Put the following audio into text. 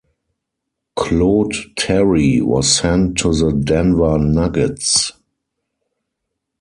Claude Terry was sent to the Denver Nuggets.